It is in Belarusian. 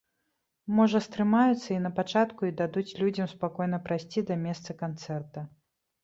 Можа стрымаюцца і на пачатку і дадуць людзям спакойна прайсці да месца канцэрта.